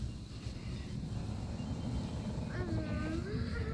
Pohled soukromého detektiva vyšel ve Velké Británii také jako singl.